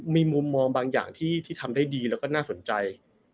มีมุมมองบางอย่างที่ทำได้ดีแล้วก็น่าสนใจ